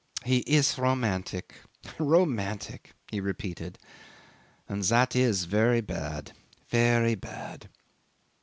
'"He is romantic romantic," he repeated. "And that is very bad very bad.